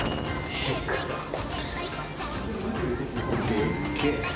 でっけい。